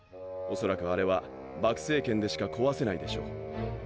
おそらくあれは爆星剣でしか壊せないでしょう。